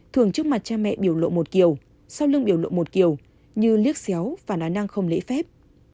thường trước mặt cha mẹ biểu lộ một kiều sau lưng biểu lộ một kiểu như liếc xéo và nói năng không lễ phép